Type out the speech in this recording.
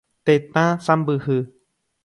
Tetã sãmbyhy.